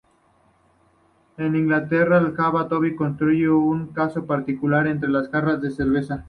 En Inglaterra, la "jarra Toby" constituye un caso particular entre las jarras de cerveza.